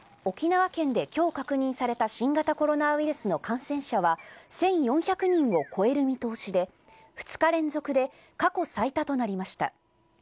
沖縄県で今日確認された新型コロナウイルスの感染者は１４００人を超える見通しで２日連続で過去最多となりました。